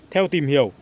theo tìm hiểu